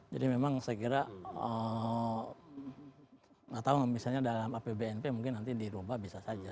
jadi memang saya kira enggak tahu misalnya dalam apbnp mungkin nanti dirubah bisa saja